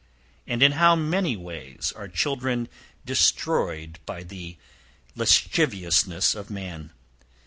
And in how many ways are children destroyed by the lasciviousness of man?